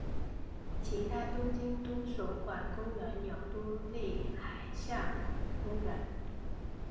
其他东京都所管公园有都立海上公园。